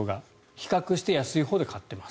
比較して安いほうで買っています。